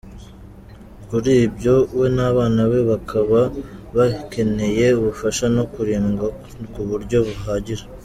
Kuri ibyo, we n’abana be, bakaba bakeneye ubufasha no kurindwa, ku buryo buhagije.